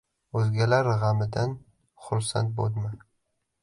— O‘zgalar g‘amidan xursand bo‘lma.